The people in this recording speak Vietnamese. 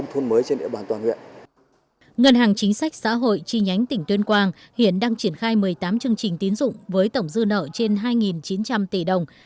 hội viện chiêm hóa được tiếp cận chương trình cho vay nước sạch và vệ sinh môi trường của ngân hàng chính sách xã hội trung bình hai mươi triệu một hộ với tổng dư nợ đạt trên một mươi chín tỷ đồng